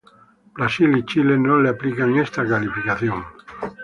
Brasil y Chile no le aplican esta calificación.